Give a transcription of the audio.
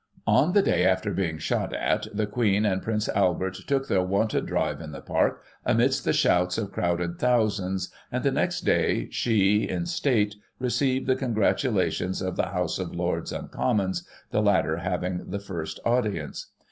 On the day after being shot at, the Queen and Prince Albert took their wonted drive in the Park, amidst the shouts of crowded thousands, and the next day, she, in State, received the congratulations of the Houses of Lords and Commons, the latter having the first audience.